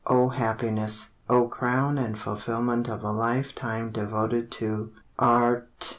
O happiness! O crown and fulfilment of a life time devoted to Ar rt!